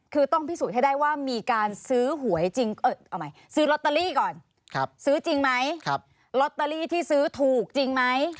คือต้องพิสูจน์ให้ได้ว่ามีการซื้อหวยจริง